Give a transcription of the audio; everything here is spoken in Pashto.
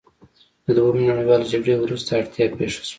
د دویمې نړیوالې جګړې وروسته اړتیا پیښه شوه.